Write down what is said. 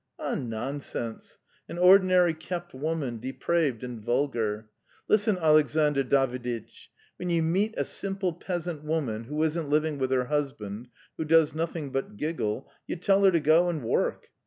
"Ah, nonsense! An ordinary kept woman, depraved and vulgar. Listen, Alexandr Daviditch; when you meet a simple peasant woman, who isn't living with her husband, who does nothing but giggle, you tell her to go and work.